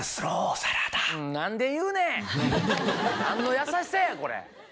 何の優しさやこれ！